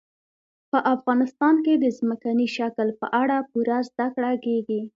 په افغانستان کې د ځمکني شکل په اړه پوره زده کړه کېږي.